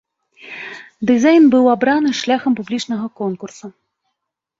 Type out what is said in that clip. Дызайн быў абраны шляхам публічнага конкурсу.